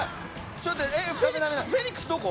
ちょっとフェニックスどこ？